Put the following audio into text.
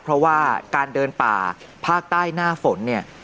เพราะว่าการเดินป่าภาคใต้หน้าฝนเนี่ย